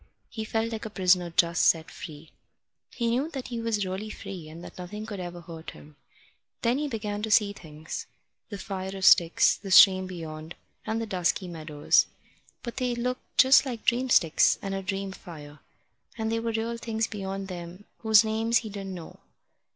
He felt like a prisoner just set free. He knew that he was really free, and that nothing could ever hurt him. Then he began to see things the fire of sticks, the stream beyond, and the dusky meadows. But they looked just like dream sticks, and a dream fire, and there were real things beyond them whose names he didn't know.